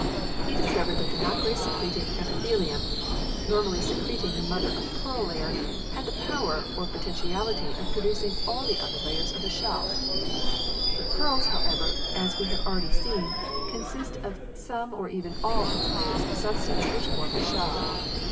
He discovered that the nacre secreting epithelium, normally secreting the mother of pearl 112 PEARLS [CH. vin layer, had the power or potentiality of producing all the other layers of the shell. The pearls, however, as we have already seen, consist of some or even all of the layers of substance which form the shell.